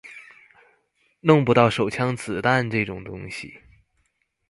弄不到手槍子彈這種東西